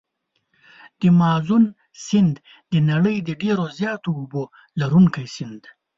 د مازون سیند د نړۍ د ډېر زیاتو اوبو لرونکي سیند دی.